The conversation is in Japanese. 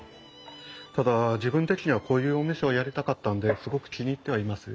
ただ自分的にはこういうお店をやりたかったんですごく気に入ってはいます。